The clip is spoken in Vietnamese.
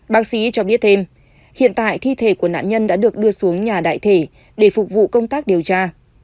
bác sĩ cho biết thêm hiện tại thi thể của nạn nhân đã được đưa xuống nhà đại thể để phục vụ công tác điều tra